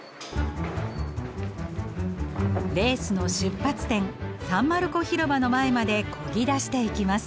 レースの出発点サン・マルコ広場の前まで漕ぎ出していきます。